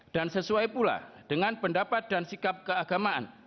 dan sesuai pula dengan pendapat dan sikap keagamaan